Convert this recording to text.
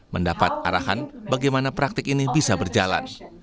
mendapat arahan bagaimana praktik ini bisa berjalan